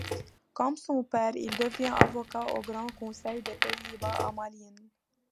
Comme son père, il devient avocat au Grand conseil des Pays-Bas à Malines.